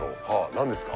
何ですか？